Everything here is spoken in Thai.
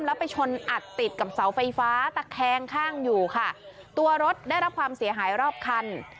แล้วไปชนอัดติดกับเสาไฟฟ้าตะแคงข้างอยู่ค่ะตัวรถได้รับความเสียหายรอบคัน